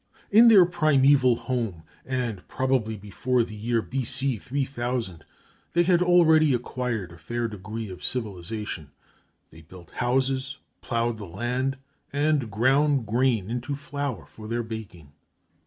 In their primeval home and probably before the year B.C. 3000, they had already acquired a fair degree of civilization. They built houses, ploughed the land, and ground grain into flour for their baking.